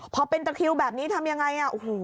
พอเป็นตะคริวแบบนี้ทำยังไง